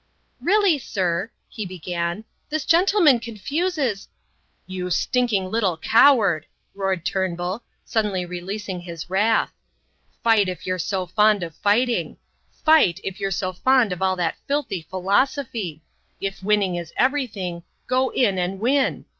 "Really, sir," he began, "this gentleman confuses..." "You stinking little coward," roared Turnbull, suddenly releasing his wrath. "Fight, if you're so fond of fighting! Fight, if you're so fond of all that filthy philosophy! If winning is everything, go in and win!